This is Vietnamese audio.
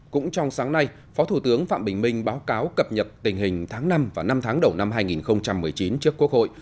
cũng trong sáng nay phó thủ tướng phạm bình minh báo cáo cập nhật tình hình tháng năm và năm tháng đầu năm hai nghìn một mươi chín trước quốc hội